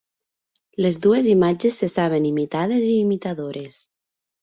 Les dues imatges se saben imitades i imitadores.